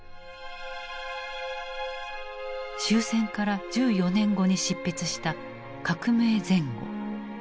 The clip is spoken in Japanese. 終戦から１４年後に執筆した「革命前後」。